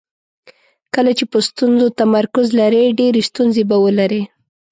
کله چې په ستونزو تمرکز لرئ ډېرې ستونزې به ولرئ.